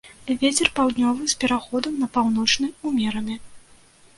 Вецер паўднёвы з пераходам на паўночны, умераны.